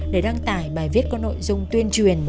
để đăng tải bài viết có nội dung tuyên truyền